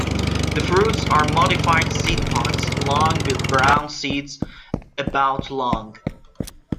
The fruits are modified seedpods, long, with brown seeds about long.